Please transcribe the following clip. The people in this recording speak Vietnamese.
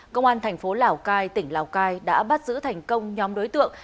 công an thành phố lào cai tỉnh lào cai đã bắt giữ thành công nhóm đối tượng